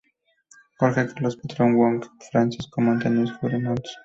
Jorge Carlos Patrón Wong, P. Francisco Montañez Jure, Mons.